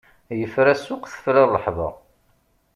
Yefra ssuq tefra ṛṛeḥba!